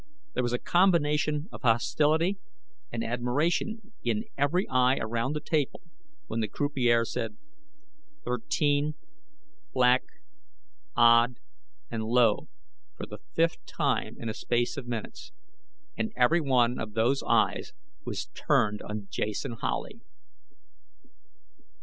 There was a combination of hostility and admiration in every eye around the table when the croupier said, "Thirteen, Black, Odd, and Low" for the fifth time in the space of minutes. And everyone of those eyes was turned on Jason Howley.